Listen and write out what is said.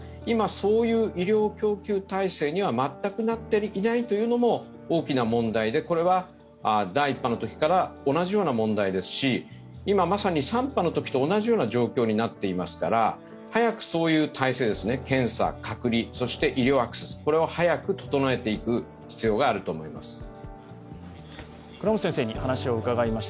今、そういう医療供給体制には全くなっていないというのも大きな問題で、これは第１波のときから同じような問題ですし今まさに３波のときと同じような状況になっていますから、早くそういう体制検査、隔離、そして医療アクセス、これを早く整えていく必要があると思います。